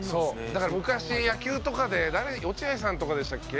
だから昔野球とかで落合さんとかでしたっけ？